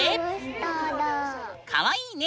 かわいいね！